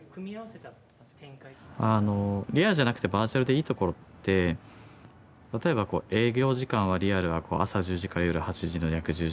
あのリアルじゃなくてバーチャルでいいところって例えばこう営業時間はリアルは朝１０時から夜８時の約１０時間。